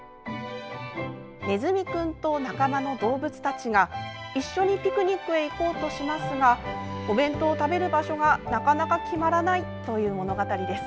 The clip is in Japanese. ねずみくんと仲間の動物たちが一緒にピクニックへ行こうとしますがお弁当を食べる場所がなかなか決まらないという物語です。